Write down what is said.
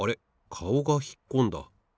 かおがひっこんだ。